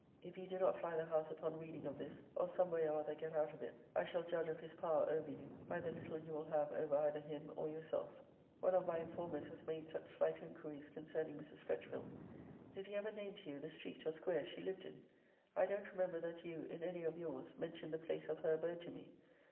If you do not fly the house upon reading of this, or some way or other get out of it, I shall judge of his power over you, by the little you will have over either him or yourself. >>> One of my informers has made such slight inquiries concerning Mrs. Fretchville. Did he ever name to you the street or square she lived in? I don't >>> remember that you, in any of your's, mentioned the place of her abode to me.